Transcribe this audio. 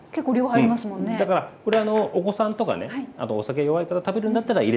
うんだからこれお子さんとかねあのお酒弱い方食べるんだったら入れなくていいです。